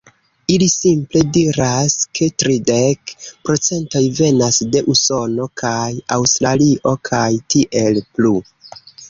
Ili simple diras, ke tridek procentoj venas de Usono, kaj Aŭstralio, kaj tiel plu.